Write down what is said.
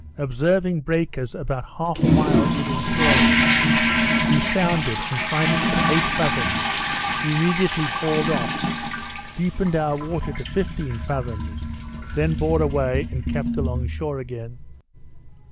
observing breakers about half a mile within shore of us, we sounded, and finding but eight fathoms, immediately hauled off, deepened our water to fifteen fathoms, then bore away and kept along shore again.